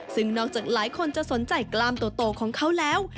ซึ่งนอกจากหลายคนจะสนใจกล้ามโตของเขาแล้ว